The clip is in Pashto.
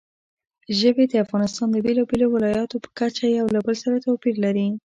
ژبې د افغانستان د بېلابېلو ولایاتو په کچه یو له بل سره توپیر لري.